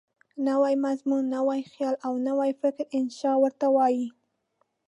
نوی مضمون، نوی خیال او نوی فکر انشأ ورته وايي.